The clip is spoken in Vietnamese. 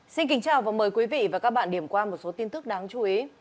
xin kính chào và mời quý vị và các bạn điểm qua một số tin tức đáng chú ý